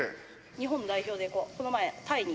日本代表でこの前タイに。